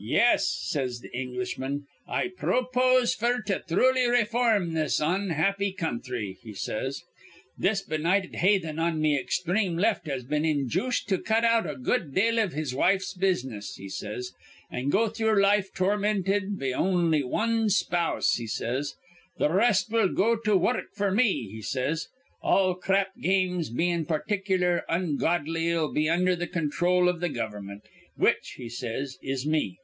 'Yes,' says th' Englishman, 'I pro pose f'r to thruly rayform this onhappy counthry,' he says. 'This benighted haythen on me exthreme left has been injooced to cut out a good dale iv his wife's business,' he says, 'an' go through life torminted be on'y wan spouse,' he says. 'Th' r rest will go to wurruk f'r me,' he says. 'All crap games bein' particular ongodly'll be undher th' con throl iv th' gover'mint, which,' he says, 'is me.